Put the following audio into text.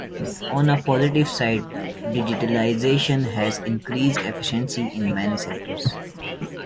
On the positive side, digitalization has increased efficiency in many sectors.